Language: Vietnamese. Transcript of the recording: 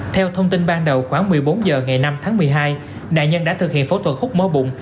theo thông tin ban đầu khoảng một mươi bốn giờ ngày năm tháng một mươi hai đại nhân đã thực hiện phẫu thuật hút mở bụng